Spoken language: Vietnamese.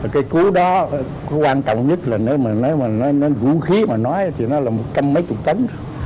cái cứu đó quan trọng nhất là nếu mà vũ khí mà nói thì nó là một trăm mấy chục tấn